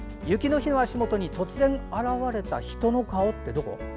雪の日の足元に突然現れた人の顔。ってどこ？